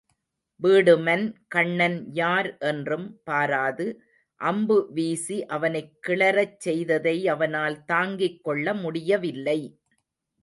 வீடுமன் கண்ணன் யார் என்றும் பாராது அம்பு வீசி அவனைக் கிளரச் செய்ததை அவனால் தாங்கிக் கொள்ள முடியவில்லை.